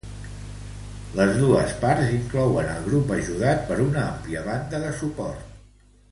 Les dos parts inclouen el grup ajudat per una àmplia banda de suport.